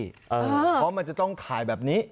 เพราะมันจะต้องถ่ายแบบนี้